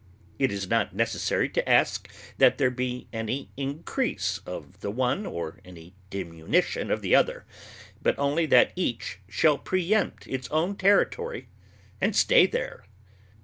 It is not necessary to ask that there be any increase of the one or any diminution of the other, but only that each shall preëmpt its own territory and stay there.